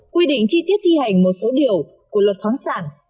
quy định chi tiết thi hành một số điều của luật khoáng sản